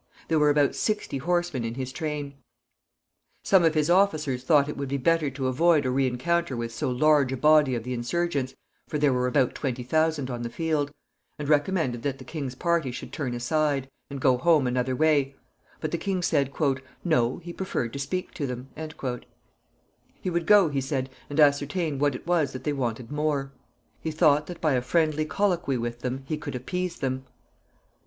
There were about sixty horsemen in his train. Some of his officers thought it would be better to avoid a re encounter with so large a body of the insurgents for there were about twenty thousand on the field and recommended that the king's party should turn aside, and go home another way; but the king said "No; he preferred to speak to them." He would go, he said, and ascertain what it was that they wanted more. He thought that by a friendly colloquy with them he could appease them.